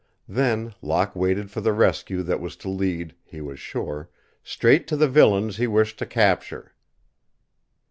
Then Locke waited for the rescue that was to lead, he was sure, straight to the villains he wished to capture.